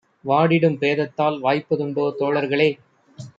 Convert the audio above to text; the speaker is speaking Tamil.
வாடிடும் பேதத்தால் வாய்ப்பதுண்டோ தோழர்களே!